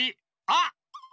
あっ！